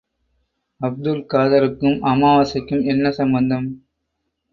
அப்துல் காதருக்கும் அமாவாசைக்கும் என்ன சம்பந்தம்?